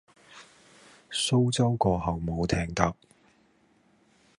蘇州過後冇艇搭